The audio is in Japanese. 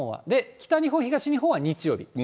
北日本、東日本は日曜日。